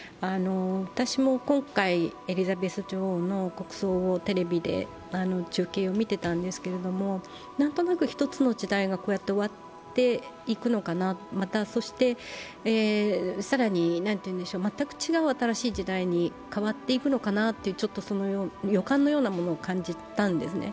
私も今回、エリザベス女王の国葬のテレビ中継を見ていたんですがなんとなく１つの時代が終わっていくのかな、更に全く違う新しい時代に変わっていくのかなという予感のようなものを感じたんですね。